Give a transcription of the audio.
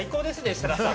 設楽さん。